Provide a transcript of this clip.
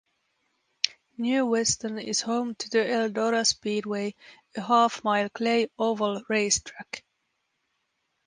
New Weston is home to the Eldora Speedway, a half-mile clay oval race track.